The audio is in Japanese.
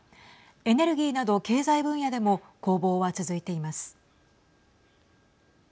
エネルギーなど経済分野でも攻防は続いています。